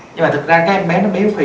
nhưng mà thực ra các em bé nó béo phì